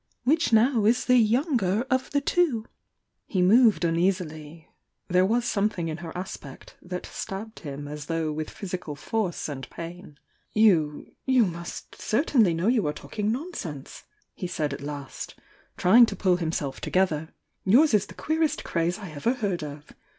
— which now is the 'younger' of the two?" He moved uneasily — there was something in her aspect that stabbed him as though with physical force and pain. "You — you must certainly know you are talking nonsense!" he said at last, trying to pull himself together. "Yours is the queerest crtze I ever heard of!